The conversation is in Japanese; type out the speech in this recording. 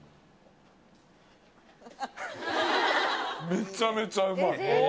めちゃめちゃうまい。